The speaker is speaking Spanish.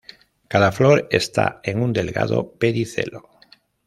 Cada flor está en un delgado pedicelo.